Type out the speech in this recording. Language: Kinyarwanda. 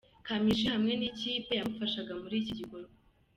Kamichi hamwe n'ikipe yamufashaga muri iki gikorwa.